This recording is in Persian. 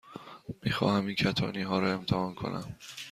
می خواهم این کتانی ها را امتحان کنم.